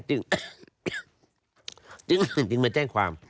จึงจึงจริงมาแจ้งความ